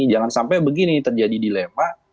jangan sampai begini terjadi dilema